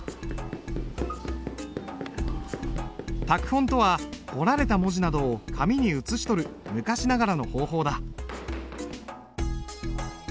拓本とは彫られた文字などを紙に写し取る昔ながらの方法だ。